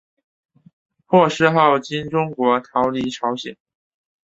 获释后经中国逃离朝鲜。